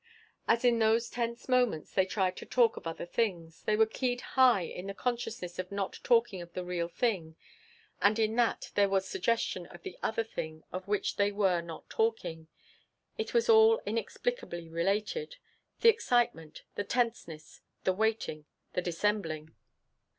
As in those tense moments they tried to talk of other things, they were keyed high in the consciousness of not talking of the real thing. And in that there was suggestion of the other thing of which they were not talking. It was all inexplicably related: the excitement, the tenseness, the waiting, the dissembling.